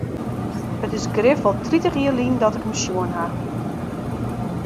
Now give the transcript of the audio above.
It is grif wol tritich jier lyn dat ik him sjoen ha.